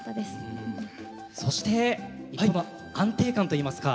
そして安定感といいますか。